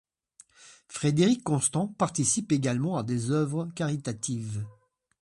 Frédérique Constant participe également à des œuvres caritatives.